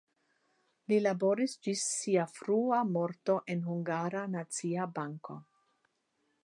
Li laboris ĝis sia frua morto en Hungara Nacia Banko.